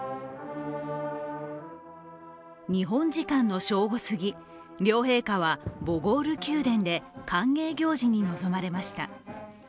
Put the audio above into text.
日本時間の正午過ぎ、両陛下はボゴール宮殿で歓迎行事に臨まれました。